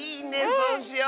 そうしよう！